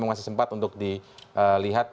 masih sempat untuk dilihat